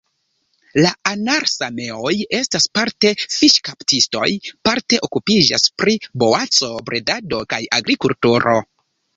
La anar-sameoj estas parte fiŝkaptistoj, parte okupiĝas pri boaco-bredado kaj agrikulturo.